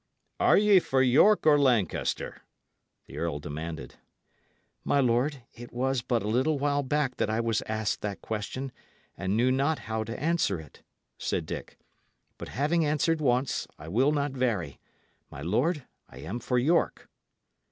"Are ye for York or Lancaster?" the earl demanded. "My lord, it was but a little while back that I was asked that question, and knew not how to answer it," said Dick; "but having answered once, I will not vary. My lord, I am for York."